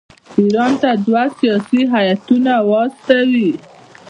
ایران ته دوه سیاسي هیاتونه واستوي.